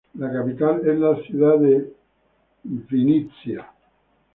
La capital es la ciudad de Vinnytsia.